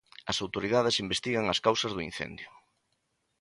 As autoridades investigan as causas do incendio.